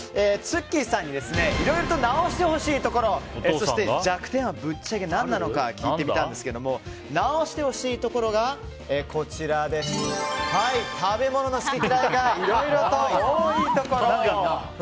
Ｔｓｕｋｋｉさんにいろいろと直してほしいところそして弱点はぶっちゃけ何なのか聞いてみたんですけど直してほしいところが食べ物の好き嫌いがいろいろと多いところ。